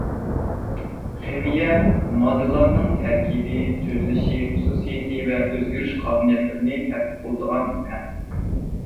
خىمىيە — ماددىلارنىڭ تەركىبى، تۈزۈلۈشى، خۇسۇسىيىتى ۋە ئۆزگىرىش قانۇنىيەتلىرىنى تەتقىق قىلىدىغان پەن.